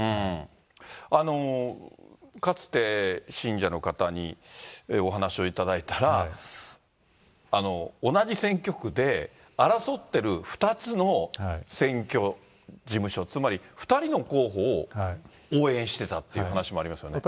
かつて、信者の方に、お話をいただいたら、同じ選挙区で争ってる２つの選挙事務所、つまり２人の候補を応援してたっていう話もありますよね。